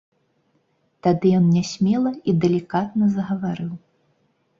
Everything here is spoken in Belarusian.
Тады ён нясмела і далікатна загаварыў.